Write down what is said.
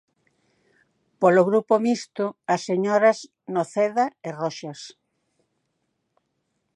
Polo Grupo Mixto, as señoras Noceda e Roxas.